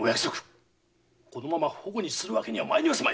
このまま反古にするわけにはまいりますまい！